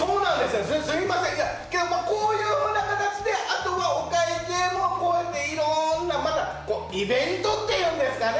こういうふうな形であとはお会計もいろんなまた、イベントっていうんですかね